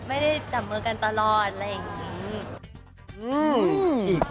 ไม่ได้จับมือกันตลอดอะไรอย่างนี้